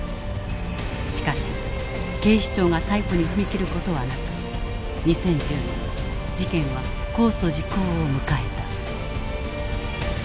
しかし警視庁が逮捕に踏み切る事はなく２０１０年事件は公訴時効を迎えた。